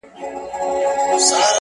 ستا خو جانانه د رڼا خبر په لـپـه كي وي_